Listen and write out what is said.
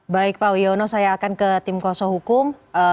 baik pak wiono saya akan ke tim kuasa hukum